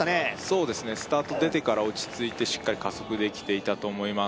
そうですねスタート出てから落ち着いてしっかり加速できていたと思います